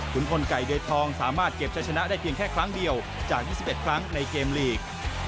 คุณพลไก่เดือนทองสามารถเก็บจะชนะได้เพียงแค่ครั้งเดียวจาก๒๑ครั้งในเกมลีก